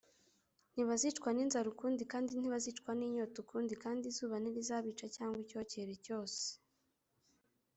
ntibazicwa n’inzara ukundi, kandi ntibazicwa n’inyota ukundi kandi izuba ntirizabica cyangwa icyokere cyose,